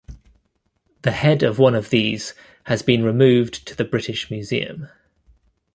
The head of one of these has been removed to the British Museum.